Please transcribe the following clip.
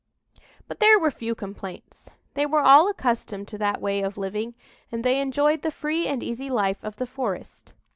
But there were few complaints. They were all accustomed to that way of living, and they enjoyed the free and easy life of the forest.